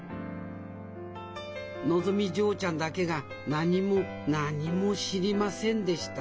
のぞみ嬢ちゃんだけが何も何も知りませんでした